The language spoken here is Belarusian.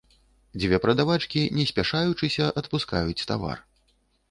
Дзве прадавачкі не спяшаючыся адпускаюць тавар.